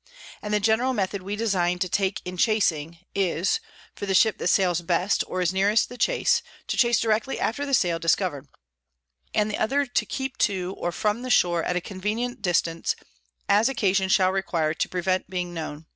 And the general method we design to take in chasing, is, for the Ship that sails best, or is nearest the Chase, to chase directly after the Sail discover'd, and the other to keep to or from the Shore at a convenient distance, as occasion shall require, to prevent being known.